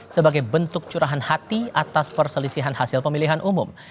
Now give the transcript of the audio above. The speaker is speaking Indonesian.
sebagai bentuk curahan hati atas perselisihan hasil pemilihan umum